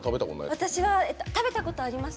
私は食べたことあります。